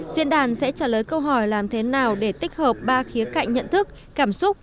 diễn đàn sẽ trả lời câu hỏi làm thế nào để tích hợp ba khía cạnh nhận thức cảm xúc